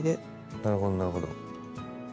なるほどなるほど。